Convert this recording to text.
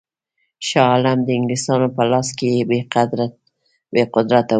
شاه عالم د انګلیسیانو په لاس کې بې قدرته وو.